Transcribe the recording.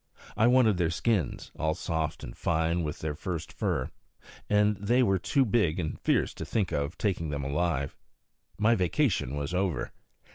I wanted their skins, all soft and fine with their first fur. And they were too big and fierce to think of taking them alive. My vacation was over.